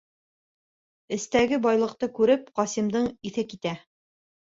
Эстәге байлыҡты күреп, Ҡасимдың иҫе китә.